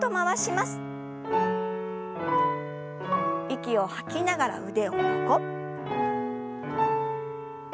息を吐きながら腕を横。